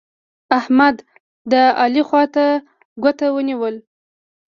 احمد؛ د علي خوا ته ګوته ونيول.